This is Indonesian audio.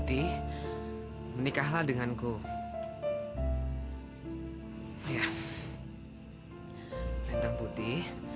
memang kamu apanya lintang putih